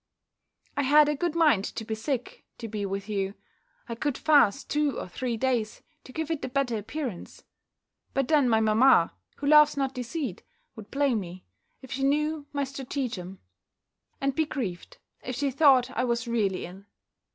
I had a good mind to be sick, to be with you. I could fast two or three days, to give it the better appearance; but then my mamma, who loves not deceit, would blame me, if she knew my stratagem; and be grieved, if she thought I was really ill.